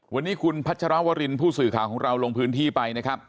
วันนี้คุณพัชรวรินผู้สื่อข่าวของเราลงพื้นที่ไปนะครับ